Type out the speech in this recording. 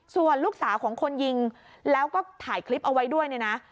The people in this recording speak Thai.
ส่วนลูกสาวของคนยิงแล้วก็ถ่ายคลิปเอาไว้ด้วยเนี่ยนะ